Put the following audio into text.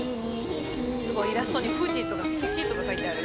すごいイラストに富士とかすしとか書いてある。